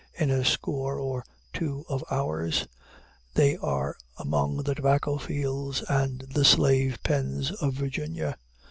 In a score or two of hours they are among the tobacco fields and the slave pens of Virginia.